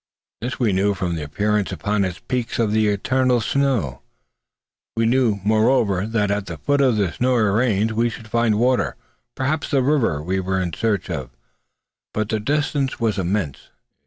This we knew from the appearance upon its peaks of the eternal snow. We knew, moreover, that at the foot of the snowy range we should find water, perhaps the river we were in search of; but the distance was immense.